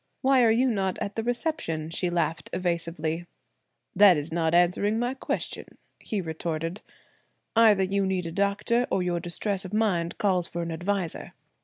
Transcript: "Why are you not at the reception?" she laughed evasively. "That is not answering my question?" he retorted. "Either you need a doctor or your distress of mind calls for an adviser.